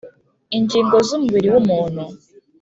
Ingingo z umubiri w umuntu